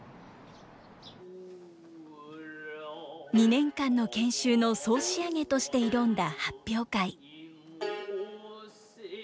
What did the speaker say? ２年間の研修の総仕上げとして挑んだ発表会。